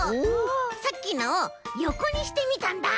さっきのをよこにしてみたんだ！